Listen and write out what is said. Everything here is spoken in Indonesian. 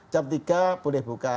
jam tiga boleh buka